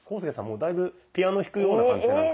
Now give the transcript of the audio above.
もうだいぶピアノ弾くような感じなんか。